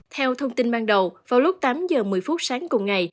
theo thông tin ban đầu vào lúc tám giờ một mươi phút sáng cùng ngày